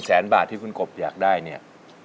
แสนบาทที่คุณกบอยากได้เนี่ย